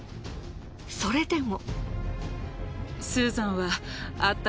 それでも。